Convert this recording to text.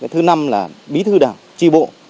thứ năm là bí thư đảng tri bộ